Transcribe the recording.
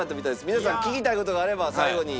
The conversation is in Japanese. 皆さん聞きたい事があれば最後に。